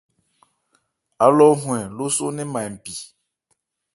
Álɔ́ hɔ-ɛn lóso ń nɛn ma npì.